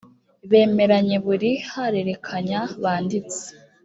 bemeranye buri harerekanya banditse